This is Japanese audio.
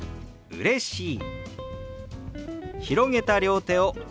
「うれしい」。